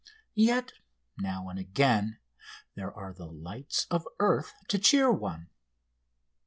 Yet now and again there are the lights of earth to cheer one.